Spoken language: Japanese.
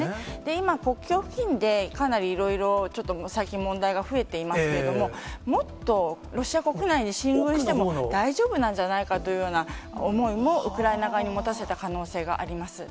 今、国境付近で、かなりいろいろちょっと、最近、問題が増えていますけれども、もっとロシア国内に進軍しても大丈夫なんじゃないかというような思いも、ウクライナ側に持たせた可能性があります。